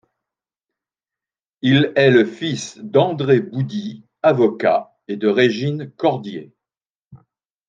Il est le fils d'André Boudy, avocat, et de Régine Cordier.